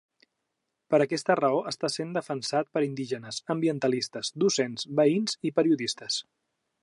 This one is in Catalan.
Per aquesta raó està sent defensat per indígenes, ambientalistes, docents, veïns i periodistes.